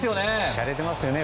しゃれてますよね